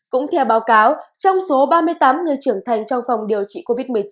cũng theo báo cáo trong số ba mươi tám người trưởng thành trong phòng điều trị covid một mươi chín